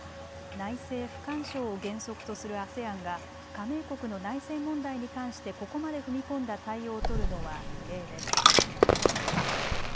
内政不干渉を原則とするＡＳＥＡＮが加盟国の内政問題に関してここまで踏み込んだ対応を取るのは異例です。